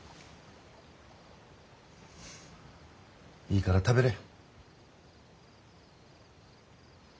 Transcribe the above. いいから食べれ。